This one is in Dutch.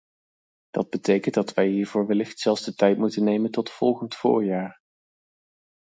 Dat betekent dat wij hiervoor wellicht zelfs de tijd moeten nemen tot volgend voorjaar.